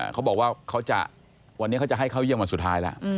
เขาบอกว่าเขาจะวันนี้เขาจะให้เข้าเยี่ยมวันสุดท้ายแล้ว